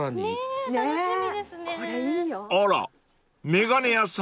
［あら眼鏡屋さん？］